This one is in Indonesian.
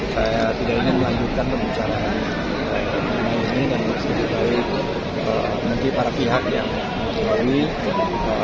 saya tidak ingin melanjutkan pembicaraan ini dan berarti baik nanti para pihak yang menjual ini